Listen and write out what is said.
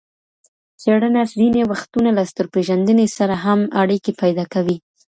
څېړنه ځیني وختونه له ستورپېژندني سره هم اړیکي پیدا کوي.